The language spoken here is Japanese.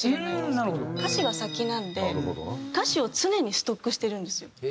歌詞が先なんで歌詞を常にストックしてるんですよ。